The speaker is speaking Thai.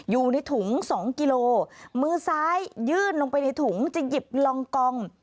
อยู่ในถุงสองกิโลมือซ้ายยื่นลงไปในถุงจะหยิบลองกอง